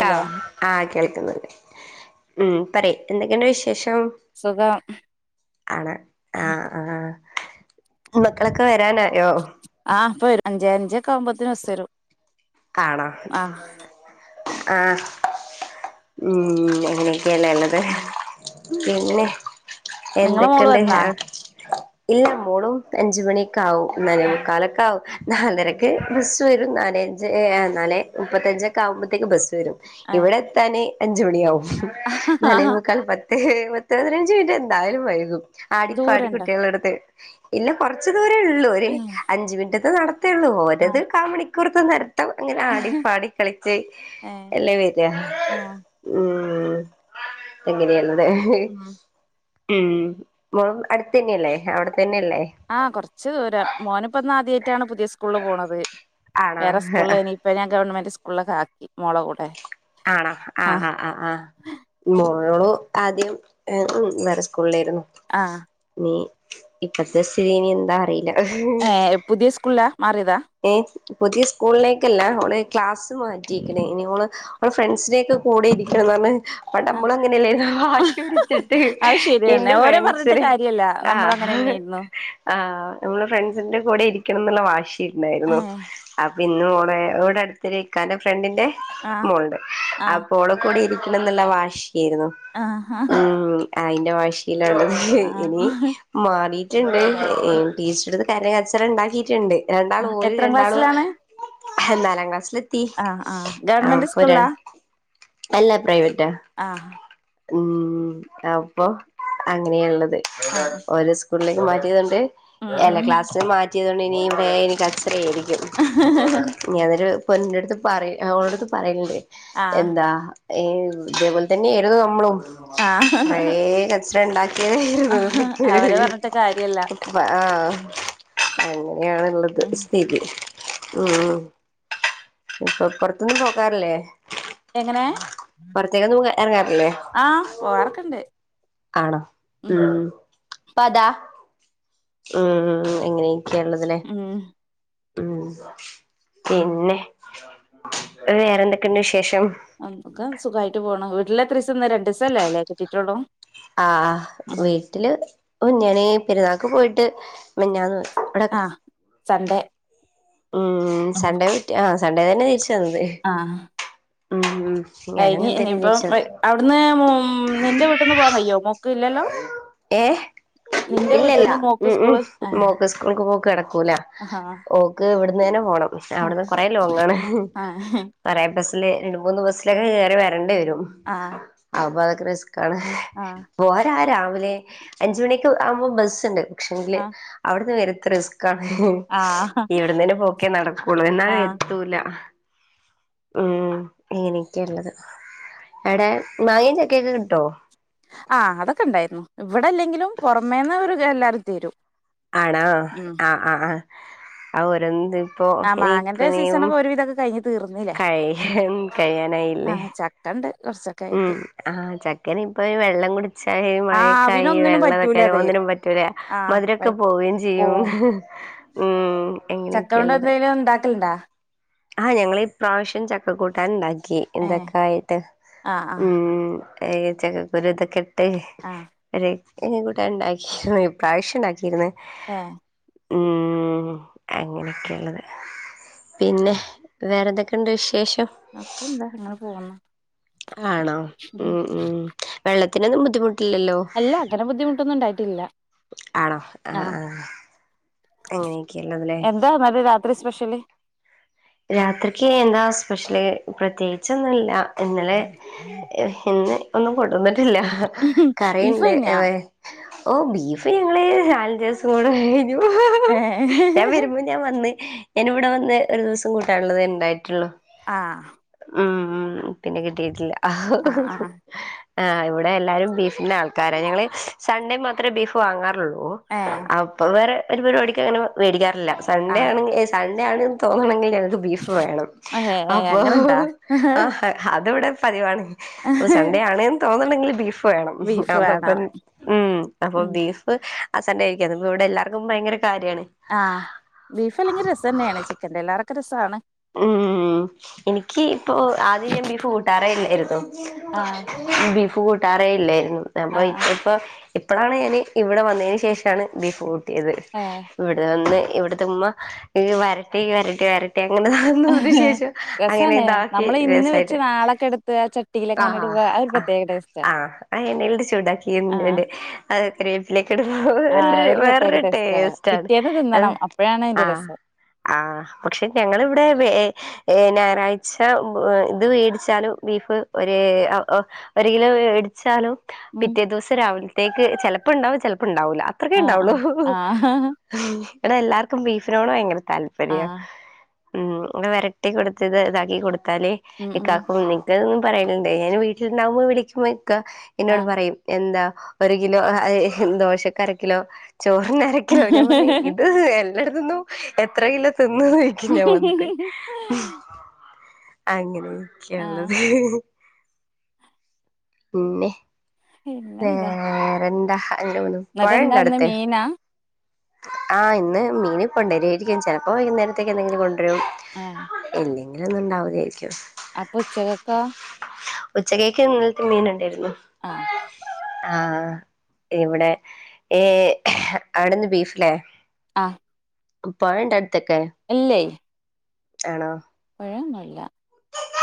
Hello കേൾക്കുന്നുണ്ട് ഉം പറയ് എന്തൊക്കെയുണ്ട് വിശേഷം ഉം സുഖം ആണ ആ ആ മക്കളൊക്കെ വരാനായോ ആ ഇപ്പ വരും അഞ്ച് അഞ്ചോക്കെ ആവുമ്പത്തെക്ക് ബസ്സ് വരും കാണാം ആ ആഹ് ഉം അങ്ങനെ [unintelligible] ള്ളത് ആ പിന്നെ നിങ്ങളെ മോള് എന്തൊക്കെയുണ്ട് ഹാ വന്നാ ഇല്ല മോളും അഞ്ചു മണിക് ക്കാവും ആ നാലേമുക്കാലോക്കാവും നാലരക്ക് ബസ്സ് വരും നാല [unintelligible] നാലേ മുപ്പത്തഞ്ചൊക്കെ ആവുമ്പോത്തേക്ക് ബസ് വരും ഏ ഇവിടെത്താന് അഞ്ചുമണിയാവും നാലേ മുക്കൽ പത് ഏ പത്ത് പതിനഞ്ച് മിനിറ്റ് എന്തായാലും വൈകും ആടിപ്പാടി ദൂരണ്ടോ കുട്ടികളോടുത്ത് ഇല്ല കൊർച്ച് ദൂരോള്ളു ഒരു ഏ അഞ്ചുമിനിറ്റതെ നട ഹെ ഉള്ളൂ ആ ഓരത് കാമണിക് കുറുത്തൂന്നരം തൗ അങ്ങനെ ആടി പാടി കളിച്ച് ഏ എല്ലേ വരാ ആ ഉ ഉ എങ്ങനെയാര്ന്നു ഉം ഉം മോൾ അടുത്തെന്നെയല്ലേ അവിടെ തന്നെയല്ലേ ആഹ് കൊറച്ചു ദൂരം മോനിപ്പന്ന് ആദ്യ റ്റാണ് പുതിയ സ്കൂള് പോണത് ആണോ വേറെ സ്കൂള് ഇനി ഇപ്പ ഞൻ ഗവൺമെന്റ് സ് ഉള്ള കാക്കി മോളെ കൂടെ ആണോ ആ ആആ് ആ് ആ മോളു ആദ്യം [unintelligible] വേറെ സ്കൂളിലായിരുന്നു ആ നീ ഇപ്പത്തെ സ്ഥിതി ഇനി എന്താ അറീല ഏ പുതിയ സ്കൂളിലാ? മാറിതാ ഏ പുതിയ സ്കൂളിലേക്കല്ല അവള് ക്ലാസ് മാറ്റീക്ക്ണേ ഇനിഓള് അവടെ ഫ്രണ്ട്സീനക്കെ കൂടെ ഇരിക്കണന്ന് പറഞ്ഞത് അപ്പൊ ആ നമ്മൾ അങ്ങനെല്ലേ വാശി പിടിച്ചിട്ട് അത് ശരിയന്നെ എന്റെ ഓരെ പറഞ്ഞിട്ട് ഫ്രണ്ട്സിന് കാര്യല്ല ആ നമ്മളും അങ്ങനെന്നെയായിരുന്നു ആ നമ്മള് ഫ്രണ്ട്സിന്റെ കൂടെ ഇരിക്കണം ന്ന്ള്ള വാശി ഏ ഇണ്ടായിരുന്നു അ പിന്ന ഓളെ ഇവിടെ അടുത്തൊ ഒരിക്കാന്റെ ഫ്രണ്ടിന്റെ ആ മോള്ണ്ട് ആ അപ്പോളെ കൂടി ഇ ന്ന്ള്ള വാശി ഇരുന്നു ആ ഉം ആ അയിന്റെ വാശി ഇല്ലനേ ഇനി ആ മാറി ണ്ട് ടീച്ചറടുത്ത് കര കച്ചറണ്ടാക്കിട്ടുണ്ട് രണ്ടാള് ഓല് എത്രാം രണ്ടാള് എാഹ് നാലാം ക്ലാസിൽ എത്തി ആ ആ ഗവൺമെന്റ് സ്കൂള്ളാ അല്ല പ്രൈവറ്റ് ആഹ് ഉം അപ്പൊ അങ്ങനെയാള്ളത് ആഹ് ഓല് സ് സ്കൂളിലേക്ക് മാറ്റിയതോണ്ട് ഉം എല്ല ഉം ക്ലാസ്സ മാറ്റി ചെയ്തുകൊണ്ട് ഇനി ഏ ഇനി കച്ച റേയിരിക്കും നി അതൊരു അപ്പൊ എന്റെ അടുത്ത് പറിം ഓളട്ത് പറയല്ണ്ട് ആഹ് എന്താ ഏ ഇതേപോലെതന്നേരുന്നു നമ്മളും ആഹ് കൊറേ കച്ചറണ്ടാക്കിയതേരുന്നു അവരെ പറഞ്ഞിട്ട് കാര്യല്ല പ്പ ആ അതെ അങ്ങനെയാ ണുള്ളത് ഉം സ്ഥീതി ഉം ഇപ്പൊ പുറത്തൊന്നും പോക്കാറില്ലേ എങ്ങനെ പുറത്തേക്കെന്നും ഇറങ്ങാറില്ലേ ആഹ് പോവാറൊക്കെണ്ട് ആണോ ഉം ഉ അപ്പ അതാ ഉം ഉം ഇങ്ങനെയൊക്കെയാണ്. മ് ഉ പിന്നെ, വേറെന്തൊക്കെയുണ്ട് വിശേഷം? നമുക്ക സുഖായിട്ട് പോണ് വീട്ടിലെ ത്രസന്ന് നേര രണ്ട്സല്ലേ അല്ലേ ലേ കിട്ടിട്ടൊള്ളൂ? ആ ങഹ വീട്ടില് ഇങ്ങനെ പെരുന്നാൾ. ക്ക പോയിട്ട് മിനിഞ്ഞാന്ന് വന്നു. ആഹ സൺ‌ഡേ ഉം സൺ‌ഡേ വിറ്റ ആ- സൺ‌ഡേ തന്നെ തിരിച്ചു ചത [inaudible] ആഹ് ഉം കഴിഞ്ഞ് ഇനിയിപ്പം തിരിച്ചു വന്നത് അവിടുന്ന് നിന്റെ വീട്ടിൽന്ന് പോവാന് ഹായ് ഏഹ് നിന്റെ ഇല്ലല്ല വീട്ടിൽന്ന് മോക്ക് ഉം ഉം സ്കൂള് ആ- മോക്ക് സ്കൂൾക്ക് അന്നുതന്നെ പോകണം അവിടുന്ന് കൊറെ ലോങ്ങാണ് [unintelligible] ലെ രണ്ട് മൂന്ന് ബസിലൊക്കെ കേറി വരണ്ടെവരും ആഹ് അവർ റസ് അതെ ആഹ് പോരാരാണ് അതിലെ അഞ്ച് മണിയൊക്കെ ആവുമ്പോ ബസ്സുണ്ട് പക്ഷങ്കില് ആഹ് അവിടുന്ന് വരുന്ന റസ്ക് അ ഹി ഹി ആഹ് ഇവിടുന്നന്നെ പൊക്കി നടക്കൂള്ളവന്നാൽ ആഹ് എത്തൂല ഉം എനിക്കല്ലത് എടേ മാങ്ങേ ചക്കേം ഒക്കെകി ട്ടുവോ ഇവിടല്ലെങ്കിലും പുറമേന്ന് ഒരു എല്ലാവർക്കും തിരു ആണോ ആ ആ ആ അവരെൻന്ത് ആ മാങ്ങന്റെ സീസണൊക്കെ ഒരുവിധക്കെ കഴിഞ്ഞ് തീർന്നില്ലേ കഴി കഴിയാനായില്ലേ ആഹ് ചക്കണ്ട് കുറച്ചൊക്കെ ഉം ആയിട്ട് ആ ചക്കന് ഇപ്പൊ വെള്ളം കുടിച്ചായി ആഹ് മഴയൊക്കായി അവിനൊന്നിനും പറ്റൂല വെള്ളതൊക്കെ അത് മോന്നിനം പറ്റൂല ആഹ് മധുരമൊക്കെ പോവയും ചെയ്യും ഉം ചക്ക ണ്ട് എങ്ങനെയൊക്കെയുള്ളത് എന്തെലും ഉണ്ടാക്കലണ്ടാ ആഹ് ഞങ്ങൾ ഈ പ്രാവശ്യം ചക്കക്കൂട്ടാൻ ഉണ്ടാക്കി ഏഹ് എന്തൊക്കായിട്ട് ആഹ് ആഹ് ഉം ഈ ചക്കക്കുരുതൊക്കെ ഏ ആഹ് ഒരെ എറെ കൂട്ടാൻ ഉണ്ടാക്കിയിരുന്നു പ്രാവശ്യം ഉണ്ടാക്കിയിരുന്നു ആ ഉം അങ്ങനെയൊക്കെഉള്ളത് പിന്നെ വേറെ എന്തൊക്കെയുണ്ട് വിശേഷം അക്കെന്താ അങ്ങനെ പോന്ന് ആണോ ഉം ഉം വെള്ളത്തി അതിനൊന്നും ബുദ്ധി അല്ല അങ്ങന ബുദ്ധിമുട്ടൊന്നും ഉണ്ടായിട്ടില്ല ആണോ ആഹ് ആഹ ആഹ് അങ്ങനെയൊക്കെയള്ളതല്ലേ എന്താ മ രാത്രി സ്പെഷ്യൽ ഇച്ചിലി രാത്രിക്ക് എന്താ സ്പെഷ്യല് പ്രത്യേകിച്ചൊന്നുല്ല ഇന്നലെ ഇന്ന് ഒന്നും കൊണ്ടൊന്നി ഇല്ല ബീഫ് കറിയുണ്ട് കഴിഞ്ഞാ ഓ ബീഫ് ഞങ്ങള് നാലഞ്ച്വസം കൊണ്ട് കഴിഞ്ഞു ഞാൻ ഏഹ് വരുമ്പോ ഞാൻ വന്ന് ഞാനിവിടെ വന്നു ഒരു ദിവസം കൂട്ടാൻഉള്ളത് ഉണ്ടായിട്ടുള്ളൂ ആ ഉം ഉം പിന്നെ കിട്ടിയിട്ടില്ല ആ ആഹ് ആഹ് ആ ഇവിടെ എല്ലാരും ബീഫിന്റെ ആൾക്കാരാ ഞങ്ങള് സൺഡേ മാത്രേ ബീഫ് വാങ്ങാറ ഏഹ് അപ്പൊ വേറെ ഒരു പരിപാടിക്ക് അങ്ങനെ മേടിക്കാറില്ല സൺഡേ ആഹ് ആണെങ്കിൽ സൺേ സൺഡേ ആണെങ്കിൽ തോണെങ്കിൽ ബീഫ് വേണം ഏഹ് ഏഹ് അപ്പോ അങ്ങനെണ്ടാ ആ അത് ഇവിടെ പതിവാണ് അപ്പോ സൺഡേ ആണ് തോന്നുണ്ടെിൽ ബീഫ് വേണം ബീഫ് അന്നപ്പ വേണം ഉ അപ്പൊ ഉം ബീഫ് ആ സണ്ടായിരിക്കുംഅ ഇവിടെ എല്ലാവർക്കും ഭയങ്കര കാര്യാണ് ആ ബീഫ് അല്ലെങ്കിൽ രസം തന്നെയാണ് ചിക്കൻന്റെലാറെ രസ രസാആാണ് ഉം എനിക്ക് ഇപ്പൊ ആദ്യം ഞാൻ ബീഫ് കൂട്ടാറല്ലായിരുന്നു ആഹ് ബീഫ് ബീഫ് കൂട്ടാറെ ഇല്ലായിരുന്നു അപ്പ ആഹ് ആഹ് ഇപ്പപ്പ ഇപ്പോഴാണ് ഞാാന് ഇവിടെ വന്നതിന് ശേഷണ് ബീഫ് കൂട്ട ഏഹ് കൂട്ടിയത്ഇവിടെ വന്ന് ഇവിടുത്തെ ഉമ്മ വരട്ടി വരട്ടി വരട്ടി അങ്ങനതാന്നതിനു ശേഷം അങ്ങനെ രസാണ് ഇതാക്കി നമ്മള് ഇന്ന് വെച്ച് രസായിട്ട് നാളൊക്കെ എടുത്ത് ആ ആ ചട്ടിയിലങ്ങനെ ഇടുമ്പോ അത് ഒരു ആ പ്രത്യേക ടേസ്റ്റാ ആ എണ്ണയിൽ ചൂടാക്കി ആഹ് ആഹ് ഒരു [unintelligible] പ്രത്യേക വേറരു ടേസ്റ്റാ ടേസ്റ്റ്ണ് പിറ്റേന്ന് തിന്നണം അപ്പഴാണ് ആ ആ അയിന്റെ രസം ആ പക്ഷെ ഞങ്ങളിവിടെ ഞായറാഴ്ച ഇത് വെ ടിച്ചാലും ബീഫ് ഒ ഒരു കിലോ വെ ടിച്ചാലും ഉം പിറ്റേ ദിവസം രാവിലത്തേക്ക് ചെിലപ്പോ ഉണ്ടാവും ചിലപ്പോ ഉണ്ടാവൂല അത്രക്കെ ആഹ് ഉണ്ടാവുള്ളു ആഹ് ആഹ് എടാ എല്ലർക്കും ബീഫിനോണ് ഭയങ്കര താല്പര്യം ആഹ് ഉം വരട്ടി കൊടുത്തത് ഇതാക്കി കൊടു [unintelligible] ഉം ഉം ഇക്കാക്കും [unintelligible] യ്ക്കെന്നെയും പറയലുണ്ട് ഞാൻ വീട്ടില്ണ്ടകുമ്പോ വിളിക്കു [unintelligible] ഇക്കാഎന്നോട് ആഹ് പറയും എന്താ ഒരു കിലോ ദോശക്ക് അരകിലോ ചോറിനരക്കലോ ഞാൻ പറഞ്ഞ ഇ ട്തിന്നു എത്ര കിലോ തിന്നേ ഞാൻ വന്നിട്ട് അങ്ങനെ ആഹ് ഒക്കള്ളത് [unintelligible] വേറെന്താ അങ്ങനെ പോന്നു എന്നിട്ടേ എന്താന്നെ മീനാ ആ ഇന്ന് മീൻ കൊണ്ടരായിരിക്കും ചെലപ്പോവൈകുന്നേരത്തേ എന്തെങ്കിലും കൊ രും ആ ഇല്ലെങ്കി അങനെയൊന്നുമിണ്ടാവില്ലായിരിക്കും അപ്പൊ ഉച്ചകക്കോ ഉച്ചകക്ക്ഇന്നലത്തെ മീൻ ഉണ്ടായിരുന്നു ആ ആ ഇവിടെ ഏ അവിടെന്ന് ബീഫ് ല്ലേ ആ പുഴണ്ടോടു ഇല്ലേ ആണോ പുഴന്നുല്ല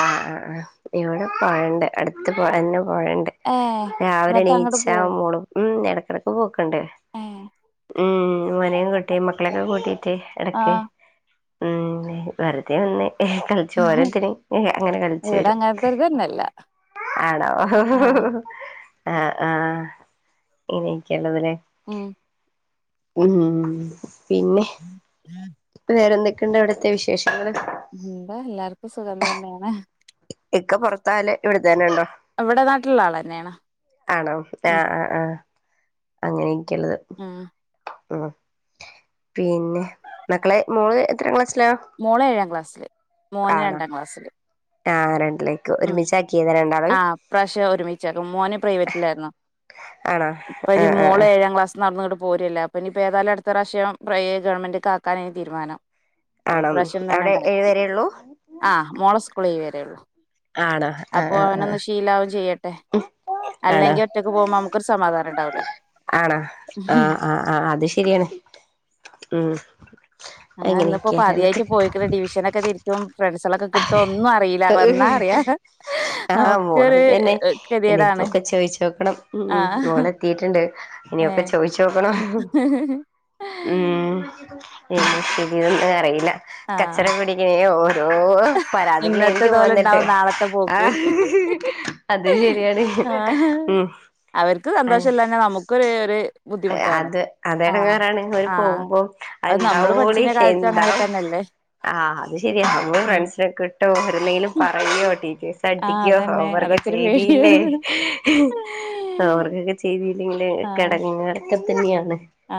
ആ ആ ആ ഇവിടെപുഴണ്ട് അടുത്ത് [unintelligible] പുഴണ്ട് ഏ രാവിലെ എന്നിട്ട് അങ്ങോട്ട് എണീച്ച പോ മോളും ഉം [unintelligible] എടക്ക് പോവും ക്കണ്ടേ ഏ ഉം ഉമ്മാനെയും കൂട്ടി മക്കളൊക്കെ കൂട്ടിട്ട് ട്ട് ആ ഇടക്ക് ഉം വെറുതെ ഒന്ന് [unintelligible] ചോരത്തിന് ഏ അങ്ങനെ കളിച്ചു ഇവിടെ വരും അങ്ങനത്തെരുതന്നെല്ല ആണോ ആ ആ ആഹ ഇനെൊക്കെയള്ളതിലേ [unintelligible] ഉം ഉം ഉ ഉം വേറെ എന്തൊക്കെയുണ്ട ഇവിടത്തെ വിശേഷങ്ങങ്ങള്ൾ എന്താ എല്ലാർക്കും സുഖം തന്നെയാണ് ഇക്ക പുറത്താല് ഇവിടെത്തന്നെ ഉണ്ടോ എവിടെ നാട്ടിലുള്ള ആൾ തന്നെയാണാ ഉം അങ്ങനെ ിക്കുള്ളത് ഉം ഉ പിന്നെ മക്കളെ മോള് എത്ര ക്ലാസ് മോൾ ഏഴാം ക്ലാസ് െ [unintelligible] മോൻ രണ്ടാം ക്ലാസ്സില് ആ രൻ ഉ ആഹ് ഈപ്രാവശ്യ ഒരുമിച്ചേക്കും മോന പ്രൈവറ്റിലായിരുന്നു ആണോ ഇപ്പത് ആഹ് ആഹ് മോള് ആഹ് ഏഴാം ക്ലാസ് നടന്നി പോരുംല്ല അപ്പോൾ ഇനിപ്പോൾ ഏായാലും അടുത്ത പ്രാവിശ്യം പ്രൈ ഗവൺമെന്റ് ആാക്കാനൻ ഇനി തീരുമാനം അപ്പൊ ഈ ആണോ പ്രാവശ്യം അവിടെ ഏഴ് തന്നൊക്കി വരെയുള്ളൂ ആ മോളെ സ്‌ക ഏഴു വരേള്ളൂ ആണോ ആഹ് അപ്പൊ ആഹ് അവനൊന്ന് ആഹ് ശീലവുംവും ചെയ്യും കുട്ട [unintelligible] ആണോ ഉണ്ടാവൂല ആണോ ആഹ ആഹ് ആഹ അത് ശരിയാണ് ഉം അങ്ങനെ ഇന്നിപ്പോൊ അങ്ങനെയൊക്കെയാണ് ഉള്ളത് പതിയട്ട് പോയിക്ക ഡിവിഷന ഒക്കെ തിരിക്കും ഫ്രണ്ട്ഓക്ക് ആഹ് മോള നമുക്കൊരു തന്നെ ഗതികേടാണ് ഇനിയിപ്പോൊക്കെ ചോയിിച്ച നോക്കണം ഉ ആഹ് മോളെത്തിട്ടുണ്ട് ഇനൊക്കെ ഏഹ് ചോയിിച്ച നോക്കണം ഉം എ ശരിയൊന്നും അറിയില്ല കച്ചറ കൂടികയോ ഇന്നത്തെ തോലെ ഉണ്ടാവും നാളത്തെ പോക്ക് ആഹ് അത് ശരിയാണ് ആ ഉം അവർക്ക് സന്തോഷല്ലങ്ങെ നമുക്കര് ഒര് അത് അതെടങ്ങാറാണ് ഓല് ആഹ് പോകുമ്പോം അത് നമ്മള് അഎന്താവോ ന്ന് പഠിച്ചീന കാലത്തും എന്താ അങ്ങനെയൊക്കെ തന്നെയല്ലേ ആ അത് ശരിയാ ഉം നമ്മള് കിട്ടോ അവർഎന്തേലും പറയോ ടീച്ചേസ് ആഹ് അടിക്കോ അതന്നെ ഹോംവർക്ക് അതൊക്കെ ഒരു ചെയ്തില്ലേ പേടിയായിരുന്നു ഹോംവർകകൊക്കെ ചെയ്തി അല്ലെങ്കിൽ കെടങ്ങ [unintelligible] തന്നെയാണ് ആ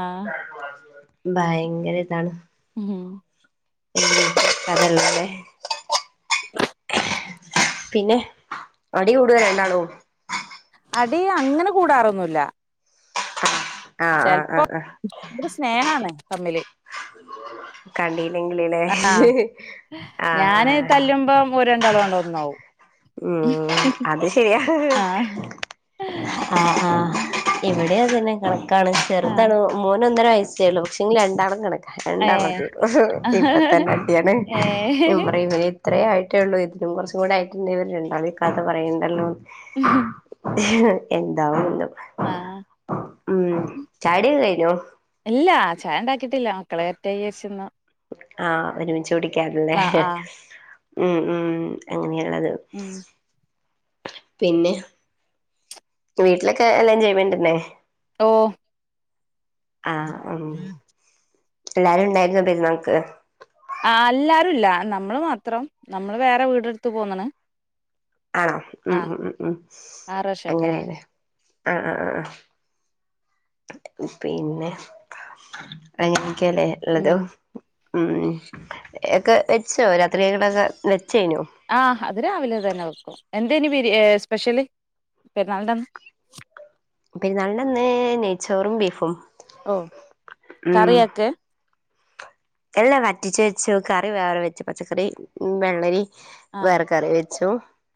ഭയങ്കര ഇതാണ് ഉം ഉം അതെല്ലാതെ പിന്നെ അടി കൂടുവോ രണ്ടാളും അടി അങ്ങനെ കൂടാറൊന്നൂല്ല ആഹ് ആഹ് ആഹ് ചിലപ്പോ ആഹ് ഭയങ്കര സ്നേഹാണ് തമ്മില് കണ്ടയില്ലെങ്കിൽല്ലേ ആഹ് ആ ആ ഞാന് തല്ലുമ്പം ഓര് രണ്ടാളും ആണ്ട് ഒന്നാവും ഉം അത് ശരിയാ ആഹ് ആ ആ ഇവിടെ അതെന്നെ ആണ് ആണ് ആഹ് ചെറുതാണ് മോന് ഒന്നര വയസ്സേ ഒള്ളൂ പക്ഷെങ്കിൽ രണ്ടാളും കണ രണ്ടാളും ഏഹ് അടി വെക്കും ഇപ്പൊ തന്നെ അടിയാണ് ഞാൻ ഏഹ് പറയുന്ന കേ ഇത്രേ ആയിട്ടേ ഉള്ളൂ ഇതിനും കുറച്ചും കൂടി ആയിട്ടിണ്ടാവോ കഥ പറയേണ്ടല്ലോ എന്താവുന്തോ ആഹ് ഉം ചായടി കഴിഞ്ഞോ ഇല്ല ചായ ഉണ്ടാക്കിട്ടില്ല മക്കളെ എറ്റച്ചന്ന് ആ ഒരുമിച്ച് കുടി ക്കല്ലേ ആഹ് ഉം ഉം അങ്ങനെയ [inaudible] ഉം പിന്നെ വീട്ടിലൊക്കെ എല്ലാം ചെയ്യ്പണ്ടന്നെ ഓ ആ ഉം എല്ലാരും ഇണ്ടായിരുന്നോ പെരുന്നാക്ക് ആ എല്ലാരും ഇല്ല നമ്മള് മാത്രം നമ്മള് വേറെ വീടെടുത്ത് പോന്നണ് ആണോ ഉം ഉം ഉം ഉം ആറ് വർഷൊക്കെ ആയി അങ്ങനെല്ലെ ആ ആ പിന്നെ ഒക്കല്ലേ ഉം ഇള്ളത് ഉം എക്കെ വെച്ചോ രാത്രിയക്കടൊക്കെ വെ ആ അത് രാവിലെ തന്നെ വെക്കും എന്തേന് പിരി സ്പെഷ്യല് പെരുന്നാളിൻ്റ അന്ന് പെരുന്നാളന്ന് നെയ്ച്ചോറും ബീഫും ഓ ഉം കറിയൊക്കെ എല്ലാം വറ്റിച്ച് വെച്ചു കറി വേറെ വെച്ചു പച്ചക്കറി വെള്ളരി ആഹ് വേറെ കറി വെച്ചു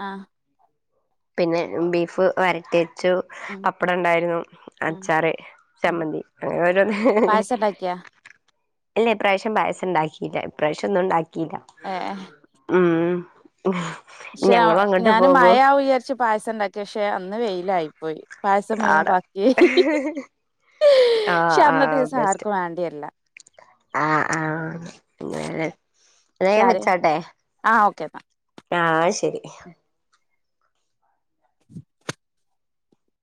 ആഹ് പിന്നെ ബീഫ് വരട്ടി അച്ചു ഉം അപ്പട ഉണ്ടായിരുന്നു ഉം അച്ചാറ് ഉം ചമ്മന്തി അങ്ങനെ ഓരോന്ന് പായസം ഉണ്ടാക്കിയാ അല്ല പ്രാവശം പായസം ഉണ്ടാക്കിയില്ല പ്രാവശം ഒന്ന ഉണ്ടാക്കി കീല ഉം ഉം ക്ഷെ ഞാന് മഴ ആവുംന്ന് വിചാര്ച് പായസം ഉണ്ടാക്കി പക്ഷെ അന്ന് വെയിലായിപ്പോയി പായസം മുയ്മമം ആടെ ബാക്കിഅയി [unintelligible] ആഹ് ഷേ ദിവസം ആർക്കും വേണ്ടിയർല അ അ അങ്ങനെ എന്ന ഞാൻ ഷാര് വെച്ചാട്ടെ ആ ഓക്കെ ആഹ് ശരി [inaudible]